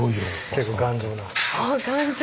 結構頑丈な。